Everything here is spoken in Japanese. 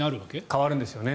変わるんですよね。